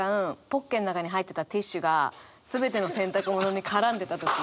ポッケの中に入ってたティッシュが全ての洗濯物に絡んでた時。